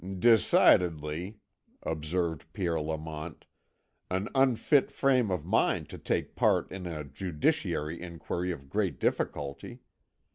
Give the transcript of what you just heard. "Decidedly," observed Pierre Lamont, "an unfit frame of mind to take part in a judicial inquiry of great difficulty.